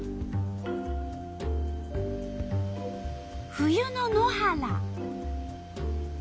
冬の野原。